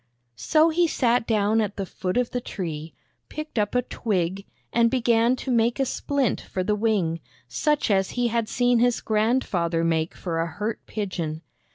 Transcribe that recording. So he sat down at the foot of the tree, picked up a twig, and began to make a splint for the wing, such as he had seen his grandfather make for a hurt pigeon.